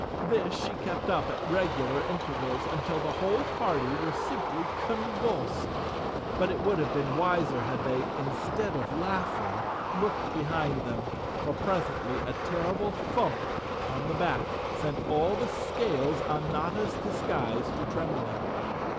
This she kept up at regular intervals until the whole party were simply convulsed. But it would have been wiser had they, instead of laughing, looked behind them, for presently a terrible thump on the back sent all the scales on Notta's disguise to trembling.